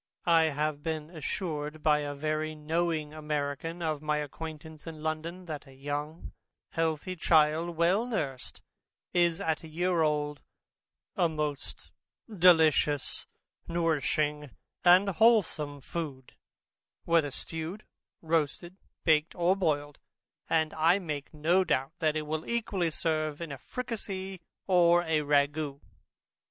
I have been assured by a very knowing American of my acquaintance in London, that a young healthy child well nursed, is, at a year old, a most delicious nourishing and wholesome food, whether stewed, roasted, baked, or boiled; and I make no doubt that it will equally serve in a fricasee, or a ragoust.